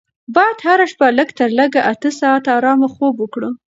باید هره شپه لږ تر لږه اته ساعته ارامه خوب وکړو.